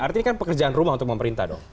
artinya kan pekerjaan rumah untuk pemerintah dong